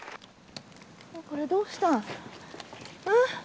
これどうした。